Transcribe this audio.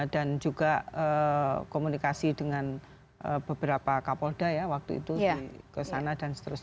dan juga komunikasi dengan beberapa kapolda ya waktu itu kesana dan seterusnya